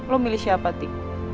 lo milih siapa ti